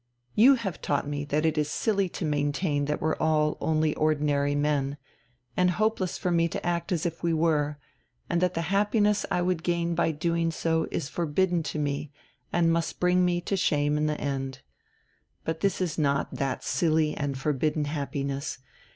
You have taught me that it is silly to maintain that we're all only ordinary men, and hopeless for me to act as if we were, and that the happiness I would gain by doing so is forbidden to me and must bring me to shame in the end. But this is not that silly and forbidden happiness.